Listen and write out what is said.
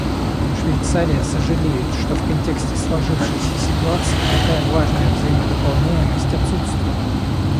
Швейцария сожалеет, что в контексте сложившейся ситуации такая важная взаимодополняемость отсутствует.